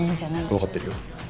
わかってるよ。